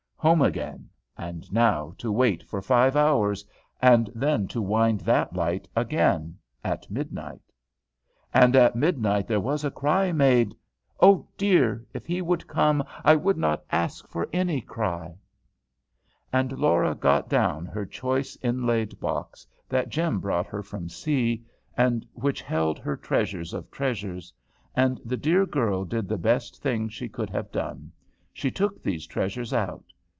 Home again! And now to wait for five hours, and then to wind that light again at midnight! "And at midnight there was a cry made" "oh dear! if he would come, I would not ask for any cry!" And Laura got down her choice inlaid box, that Jem brought her from sea, and which held her treasures of treasures. And the dear girl did the best thing she could have done. She took these treasures out.